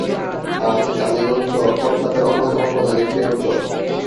আজ টালিগঞ্জ কলকাতার অন্যতম প্রধান একটি অঞ্চল।